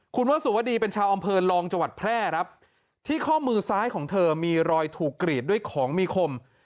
คุณวสุวดีเป็นชาวอำเภอลองจังหวัดแพร่ครับที่ข้อมือซ้ายของเธอมีรอยถูกกรีดด้วยของมีคม